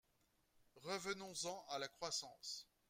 Revenons-en à la croissance.